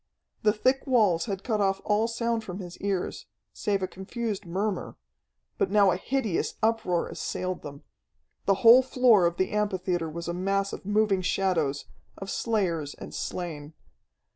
The thick walls had cut off all sound from his ears, save a confused murmur, but now a hideous uproar assailed them. The whole floor of the amphitheatre was a mass of moving shadows, of slayers and slain.